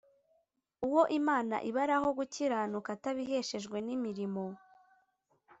uwo Imana ibaraho gukiranuka, atabiheshejwe n'imirimo